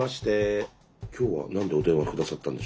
今日は何でお電話下さったんでしょうか。